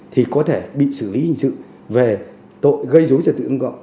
thì có thể bị xử lý hình sự về tội gây dối trật tự công cộng